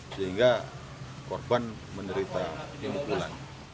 sehingga korban menderita